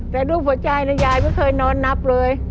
แต่รูปหัวใจยายไม่เคยนอนนับเลย